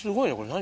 何？